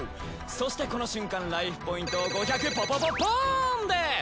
そしてこの瞬間ライフポイントを５００ポポポポーンで！